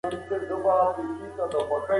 د سانسور له امله خلګو سم معلومات نه تر لاسه کول.